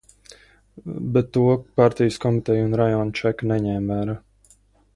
Bet to partijas komiteja un rajona čeka neņēma vērā.